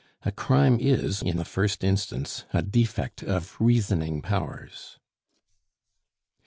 A crime is, in the first instance, a defect of reasoning powers.